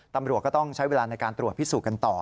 ตำรวจก็ต้องใช้เวลาในการตรวจพิสูจน์กันต่อ